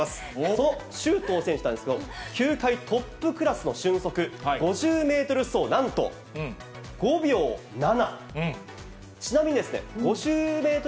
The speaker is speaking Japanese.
その周東選手なんですけど、球界トップクラスの俊足、５０メートル走なんと５秒７。